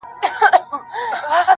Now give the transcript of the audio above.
زولنې ځني بيريږي -